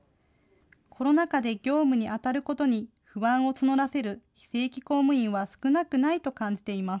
コロナ禍で業務に当たることに不安を募らせる非正規公務員は少なくないと感じています。